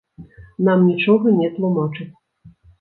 Нам нічога не тлумачаць.